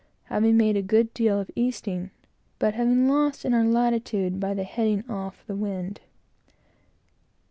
having made a good deal of easting, but having lost in our latitude by the heading of the wind.